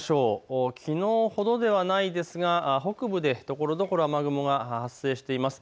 きのうほどではないですが北部でところどころ雨雲が発生しています。